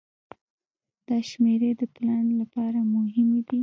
دا شمیرې د پلان لپاره مهمې دي.